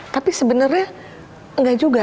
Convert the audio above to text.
tapi sebenarnya nggak juga